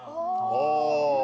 ああ。